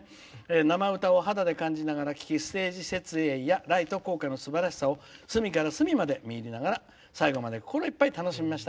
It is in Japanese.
「生歌を肌に感じながら聴きステージ設営やライト効果のすばらしさを隅から隅まで見入りながら最後まで心いっぱい楽しみました。